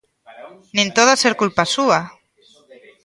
Nin todo ha ser culpa súa.